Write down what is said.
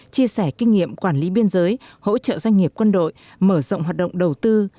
chia sẻ kinh nghiệm quản lý biên giới hỗ trợ doanh nghiệp quân đội mở rộng hoạt động đầu tư